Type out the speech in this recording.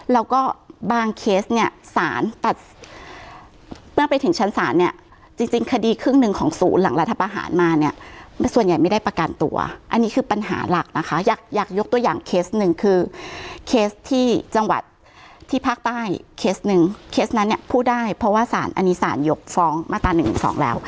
แล้วก็บางเคสเนี่ยสารตัดเมื่อไปถึงชั้นศาลเนี่ยจริงคดีครึ่งหนึ่งของศูนย์หลังรัฐประหารมาเนี่ยส่วนใหญ่ไม่ได้ประกันตัวอันนี้คือปัญหาหลักนะคะอยากยกตัวอย่างเคสหนึ่งคือเคสที่จังหวัดที่ภาคใต้เคสหนึ่งเคสนั้นเนี่ยพูดได้เพราะว่าสารอันนี้สารยกฟ้องมาตรา๑๑๒แล้ว